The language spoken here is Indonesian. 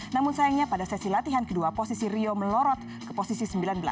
namun sayangnya pada sesi latihan kedua posisi rio melorot ke posisi sembilan belas